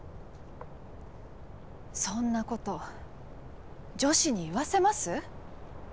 そんなこと女子に言わせます？